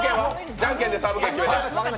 じゃんけんでサーブ権決めて。